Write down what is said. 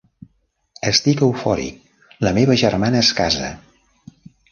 Estic eufòric, la meva germana es casa!